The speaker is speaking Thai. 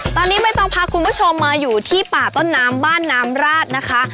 ตอนนี้ไม่ต้องพาคุณผู้ชมมาอยู่ที่ป่าต้นน้ำบ้านน้ำราดนะคะ